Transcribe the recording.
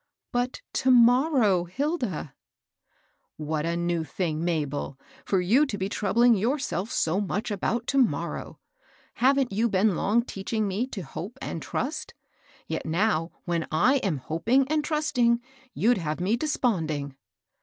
" But to morrow, Hilda ?"" What a new thing, Mabel, for you to be trou bling yourself so much about ' to morrow !' Haven't you been long teaching me to hope and trust ? Yet now when I am hoping and trusting, you'd have me desponding."